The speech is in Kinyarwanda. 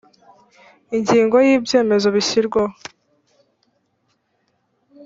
ingingo ya ibyemezo bishyirwaho